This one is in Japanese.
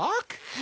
え？